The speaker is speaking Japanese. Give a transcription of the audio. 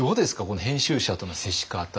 この編集者との接し方。